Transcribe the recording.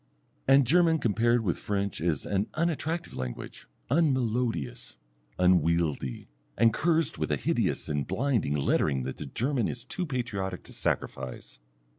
And German compared with French is an unattractive language; unmelodious, unwieldy, and cursed with a hideous and blinding lettering that the German is too patriotic to sacrifice.